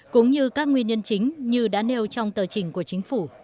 cũng như các nguyên nhân chính như đã nêu trong tờ trình của chính phủ